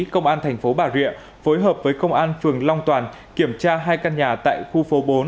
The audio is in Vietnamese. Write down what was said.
công an thành phố bà rịa phối hợp với công an phường long toàn kiểm tra hai căn nhà tại khu phố bốn